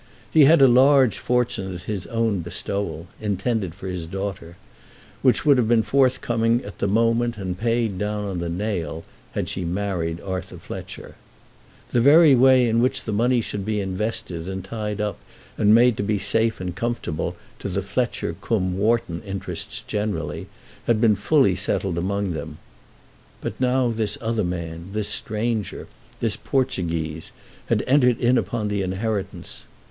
He had a large fortune at his own bestowal, intended for his daughter, which would have been forthcoming at the moment and paid down on the nail, had she married Arthur Fletcher. The very way in which the money should be invested and tied up and made to be safe and comfortable to the Fletcher cum Wharton interests generally, had been fully settled among them. But now this other man, this stranger, this Portuguese, had entered in upon the inheritance.